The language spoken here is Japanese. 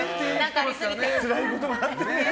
つらいこともあってね。